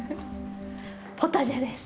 ポタジェです。